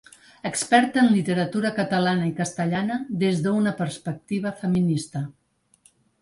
Experta en literatura catalana i castellana des d’una perspectiva feminista.